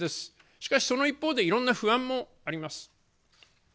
しかしその一方でいろんな不安もあります。